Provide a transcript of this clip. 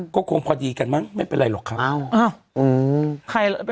ก็คงพอดีกันมั้งไม่เป็นไรหรอกครับ